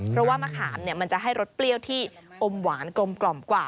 เพราะว่ามะขามมันจะให้รสเปรี้ยวที่อมหวานกลมกว่า